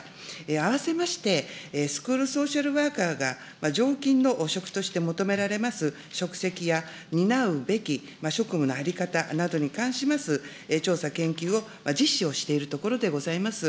併せまして、スクールソーシャルワーカーが常勤の職として求められます職責や担うべき職務の在り方などに関します調査、研究を実施をしているところでございます。